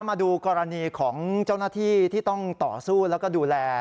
มาดูกรณีของเจ้าหน้าที่ที่ต้องต่อสู้แล้วก็ดูแล